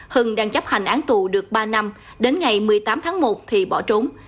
hưng đang chấp hành án tù được ba năm đến ngày một mươi tám tháng một thì bỏ trốn